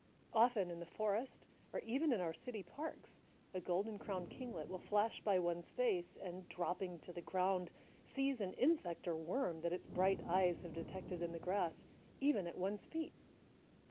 Often in the forest or even in our city parks a Golden crowned Kinglet will flash by one's face and, dropping to the ground, seize an insect or worm that its bright eyes have detected in the grass, even at one's feet.